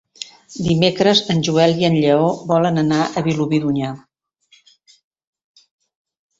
Dimecres en Joel i en Lleó volen anar a Vilobí d'Onyar.